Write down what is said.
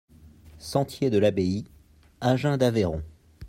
Sentier de l'Abbaye, Agen-d'Aveyron